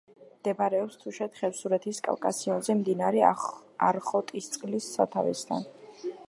მდებარეობს თუშეთ-ხევსურეთის კავკასიონზე, მდინარე არხოტისწყლის სათავესთან.